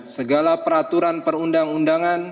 segala peraturan perundang undangan